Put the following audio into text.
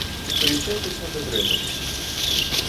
Приезжайте к саду Вреде.